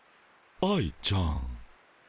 愛ちゃん！